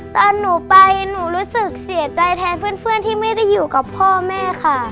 ตอนหนูไปหนูรู้สึกเสียใจแทนเพื่อนที่ไม่ได้อยู่กับพ่อแม่ค่ะ